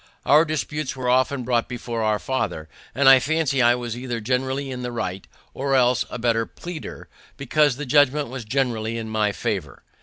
Our disputes were often brought before our father, and I fancy I was either generally in the right, or else a better pleader, because the judgment was generally in my favor.